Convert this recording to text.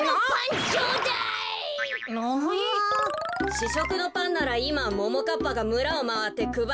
ししょくのパンならいまももかっぱがむらをまわってくばっているはずだよ。